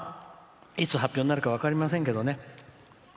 いつ発表になるか分かりませんけどね。